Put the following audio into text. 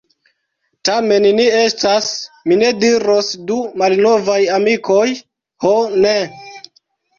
Tamen ni estas, mi ne diros du malnovaj amikoj, ho ne!